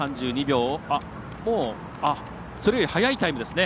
それより早いタイムですね。